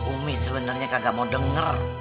umi sebenarnya kagak mau denger